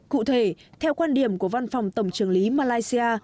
cụ thể theo quan điểm của văn phòng tổng trường lý malaysia